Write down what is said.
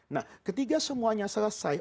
nah ketika semuanya selesai